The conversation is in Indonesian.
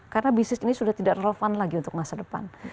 karena bisnis ini sudah tidak relevan lagi untuk masa depan